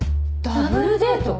ダブルデート？